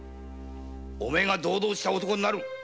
おめえが堂々とした男になる。